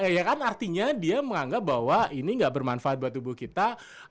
ya kan artinya dia menganggap bahwa ini gak bermanfaat buat tubuh kita